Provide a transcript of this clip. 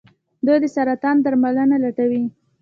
دوی د سرطان درملنه لټوي.